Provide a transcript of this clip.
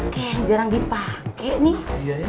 kayak yang jarang dipake nih